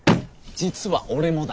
実は俺もだ。